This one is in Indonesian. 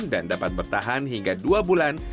dapat bertahan hingga dua bulan